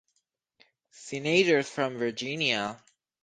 Senators from Virginia.